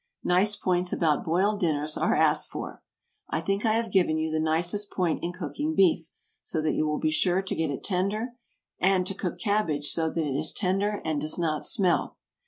Nice points about boiled dinners are asked for. I think I have given you the nicest point in cooking beef, so that you will be sure to get it tender, and to cook cabbage so that it is tender and does not smell.